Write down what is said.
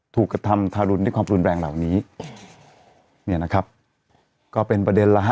กระทำทารุณด้วยความรุนแรงเหล่านี้เนี่ยนะครับก็เป็นประเด็นแล้วฮ